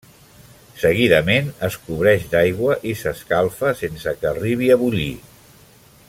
Seguidament es cobreix d'aigua i s'escalfa sense que arribi a bullir.